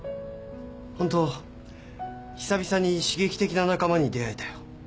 ホント久々に刺激的な仲間に出会えたよ。